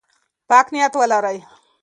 پاک نیت ولرئ.